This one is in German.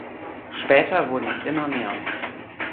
Später wurden es immer mehr.